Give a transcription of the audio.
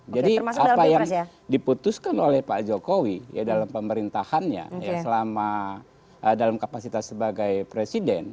jadi apa yang diputuskan oleh pak jokowi dalam pemerintahannya dalam kapasitas sebagai presiden